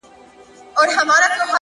چي زه به څرنگه و غېږ ته د جانان ورځمه”